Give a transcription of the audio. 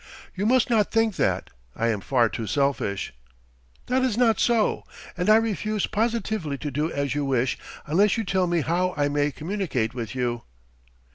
"You must not think that. I am far too selfish " "That is not so. And I refuse positively to do as you wish unless you tell me how I may communicate with you."